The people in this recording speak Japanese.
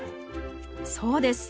そうです。